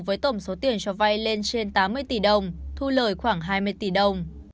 với tổng số tiền cho vay lên trên tám mươi tỷ đồng thu lời khoảng hai mươi tỷ đồng